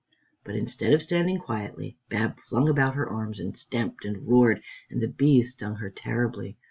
But instead of standing quietly, Bab flung about her arms, and stamped and roared, and the bees stung her terribly.